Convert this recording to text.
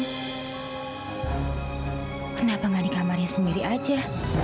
kenapa gak di kamarnya sendiri aja